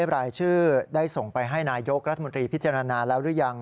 รายชื่อได้ส่งไปให้นายกรัฐมนตรีพิจารณาแล้วหรือยัง